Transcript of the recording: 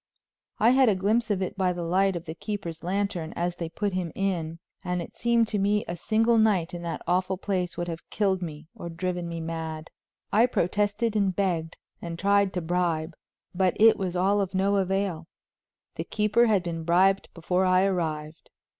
I had a glimpse of it by the light of the keeper's lantern as they put him in, and it seemed to me a single night in that awful place would have killed me or driven me mad. I protested and begged and tried to bribe, but it was all of no avail; the keeper had been bribed before I arrived.